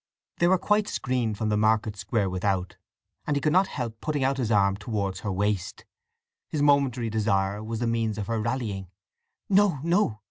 They were quite screened from the market square without, and he could not help putting out his arm towards her waist. His momentary desire was the means of her rallying. "No, no!"